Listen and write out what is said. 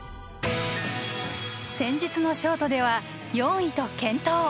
先日のショートでは４位と健闘。